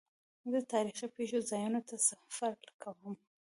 زه د تاریخي پېښو ځایونو ته سفر کوم.